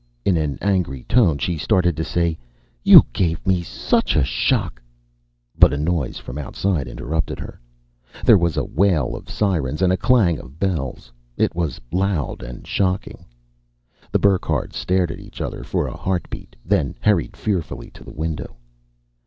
In an angry tone, she started to say: "You gave me such a shock " But a noise from outside interrupted her. There was a wail of sirens and a clang of bells; it was loud and shocking. The Burckhardts stared at each other for a heartbeat, then hurried fearfully to the window.